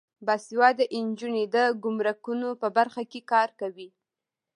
باسواده نجونې د ګمرکونو په برخه کې کار کوي.